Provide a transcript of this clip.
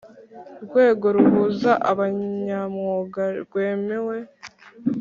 Rwego ruhuza abanyamwuga rwemewe